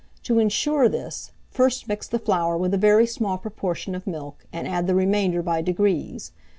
To insure this, first mix the flour with a very small proportion of milk, and add the remainder by degrees.